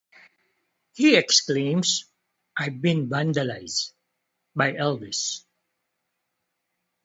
He exclaims, I've been vandalized - by Elvis!